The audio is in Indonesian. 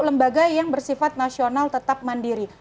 lembaga yang bersifat nasional tetap mandiri